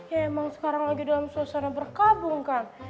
ya emang sekarang lagi dalam suasana berkabung kan